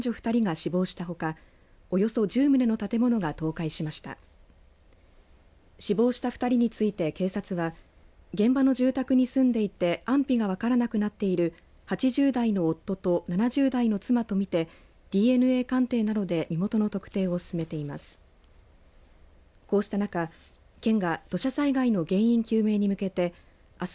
死亡した２人について、警察は現場の住宅に住んでいて安否がわからなくなっている８０代の夫と７０代の妻と見てＤＮＡ鑑定などで身元の特定を進めています。